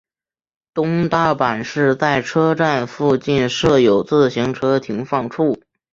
东大阪市在车站附近设有自行车停放处。